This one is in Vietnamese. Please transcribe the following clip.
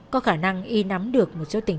có khả năng y nắm được